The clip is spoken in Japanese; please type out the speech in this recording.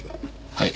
はい。